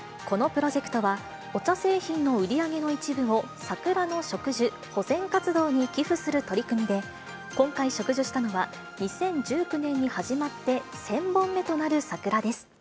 このプロジェクトは、お茶製品の売り上げの一部を桜の植樹、保全活動に寄付する活動で、今回、植樹したのは、２０１９年に始まって１０００本目となる桜です。